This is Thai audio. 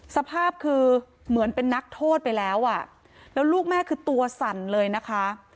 สภาพคือเหมือนเป็นนักโทษไปแล้วอ่ะแล้วลูกแม่คือตัวสั่นเลยนะคะ